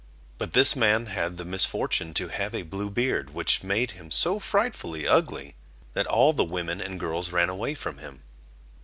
But this man had the misfortune to have a blue beard, which made him so frightfully ugly, that all the women and girls ran away from him.